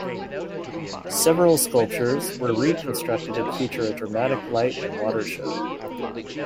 Several sculptures were reconstructed and feature a dramatic light and water show.